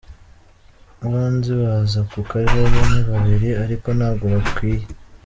Abo nzi baza ku karere ni babiri ariko ntabwo bikwiye”.